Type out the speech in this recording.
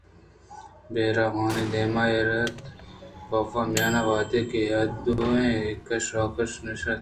بیئر آوانی دیم ءَ ایر اِت اَنت کاف میان ءَ وہدے کہ آ دوئیں اے کش ءُ آ کشءَ نشت اَنت